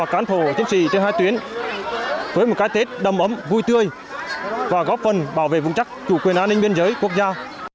quyền an ninh biên giới quốc gia